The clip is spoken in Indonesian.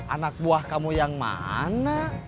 anak buah kamu yang mana